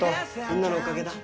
みんなのおかげだ。